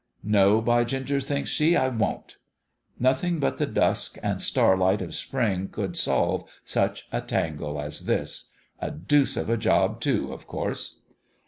" No, by ginger !" thinks she. " I won't !" Nothing but the dusk and starlight of spring could solve such a tangle as this. A deuce of a job, too, of course